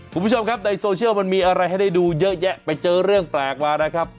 คุณผู้ชมครับในโซเชียลมันมีอะไรให้ได้ดูเยอะแยะไปเจอเรื่องแปลกมานะครับ